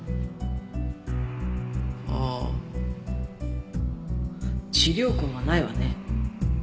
ああ治療痕はないわね。